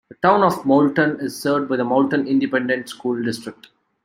The Town of Moulton is served by the Moulton Independent School District.